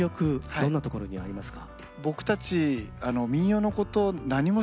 どんなところにありますか？